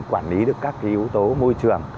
quản lý được các cái yếu tố môi trường